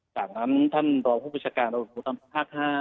จากนั้นตัวพู่บัญชการอุตรพ๕